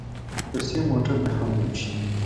ورپسې موټر مې هم وويشت.